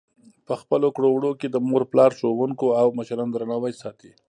په خپلو کړو وړو کې د مور پلار، ښوونکو او مشرانو درناوی ساتي.